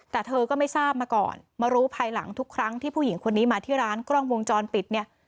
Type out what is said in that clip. แต่เธอก็ไม่ทราบมาก่อนมารู้ภายหลังทุกครั้งที่ผู้หญิงคนนี้มาที่ร้านกล้องวงจรปิดเนี่ย